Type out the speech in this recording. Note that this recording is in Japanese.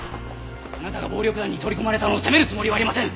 あなたが暴力団に取り込まれたのを責めるつもりはありません。